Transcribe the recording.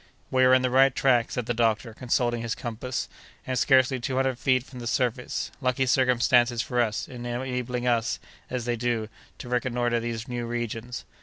"We are in the right track," said the doctor, consulting his compass, "and scarcely two hundred feet from the surface; lucky circumstances for us, enabling us, as they do, to reconnoitre these new regions.